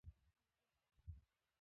ایا زه باید په واوره وګرځم؟